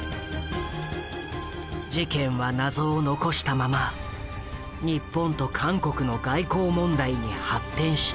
事件は謎を残したまま日本と韓国の外交問題に発展していく。